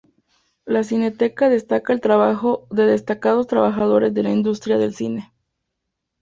La Cineteca destaca el trabajo de destacados trabajadores de la industria del cine.